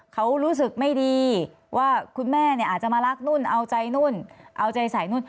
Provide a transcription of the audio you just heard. เขารู้สึกไม่ดีว่าคุณแม่เนี่ยอาจจะมารักนู่นเอาใจนู่นเอาใจใส่นู่น